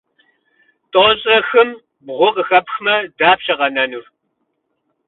Тӏощӏрэ хым бгъу къыхэпхмэ, дапщэ къэнэнур?